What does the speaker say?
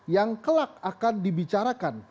yang akan dibicarakan